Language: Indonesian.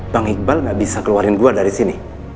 bang iqbal gak bisa keluarin dua dari sini